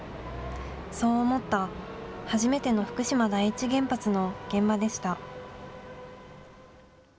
そう思った初めての福島第一原発の現場でした。